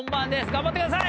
頑張ってください。